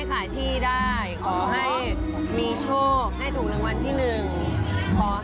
น่าแสดงว่าเคยมีคนถูกรางวัลที่หนึ่งแล้ว